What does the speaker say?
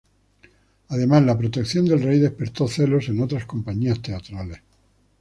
Además, la protección del rey despertó celos en otras compañías teatrales.